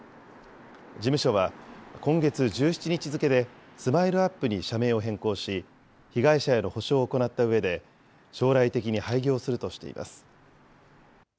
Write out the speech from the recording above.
事務所は、今月１７日付でＳＭＩＬＥーＵＰ．に社名を変更し、被害者への補償を行ったうえで、将来的に廃業するとしています。